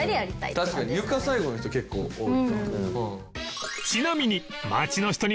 確かに床最後の人結構多い。